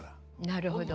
なるほど。